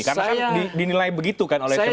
karena kan dinilai begitu kan oleh teman teman partai